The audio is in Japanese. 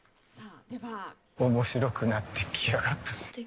面白くなってきやがったぜ。